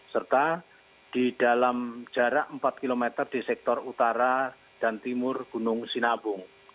serta di dalam jarak empat km di sektor utara dan timur gunung sinabung